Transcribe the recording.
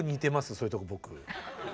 そういうとこ僕。